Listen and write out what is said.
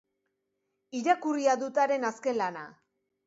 Irakurria dut haren azken lana.